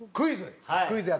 クイズ？